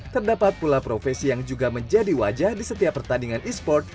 terdapat pula profesi yang juga menjadi wajah di setiap pertandingan e sport